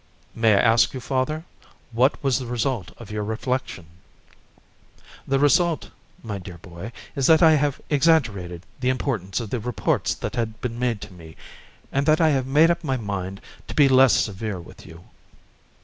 "May I ask you, father, what was the result of your reflection?" "The result, my dear boy, is that I have exaggerated the importance of the reports that had been made to me, and that I have made up my mind to be less severe with you."